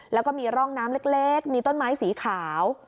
แล้วก็มีร่องน้ำเล็กมีต้นไม้สีขาว